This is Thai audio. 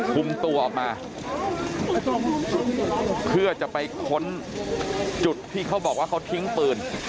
คุมตัวออกมาเพื่อจะไปค้นจุดที่เขาบอกว่าเขาทิ้งปืน